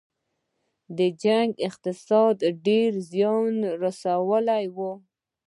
دې جنګ اقتصاد ته ډیر زیان ورساوه.